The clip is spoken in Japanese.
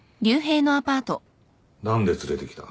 何で連れてきた？